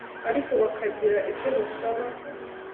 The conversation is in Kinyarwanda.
ariko bakagira ibyo basaba.